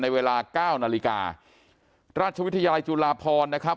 เวลาเก้านาฬิการาชวิทยาลัยจุฬาพรนะครับ